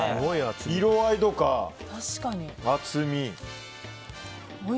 色合いとか厚み。